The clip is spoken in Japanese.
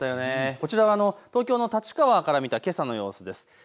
こちら、東京の立川から見たけさの様子です。